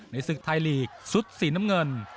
ศึกไทยลีกชุดสีน้ำเงิน